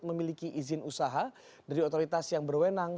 memiliki izin usaha dari otoritas yang berwenang